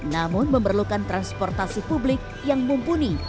namun memerlukan transportasi publik yang mumpuni